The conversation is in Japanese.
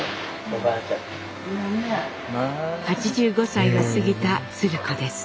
８５歳を過ぎた鶴子です。